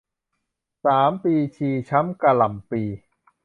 สามปีชีช้ำกระหล่ำปลี